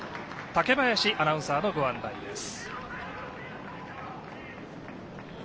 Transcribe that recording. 竹林アナウンサーのご案内です。